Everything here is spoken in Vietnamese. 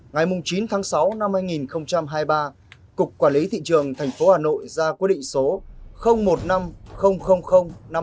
ngày chín tháng sáu năm hai nghìn hai mươi ba cục quản lý thị trường tp hà nội ra quyết định số một năm không không không năm bảy tám